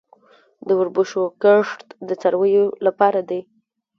د وربشو کښت د څارویو لپاره دی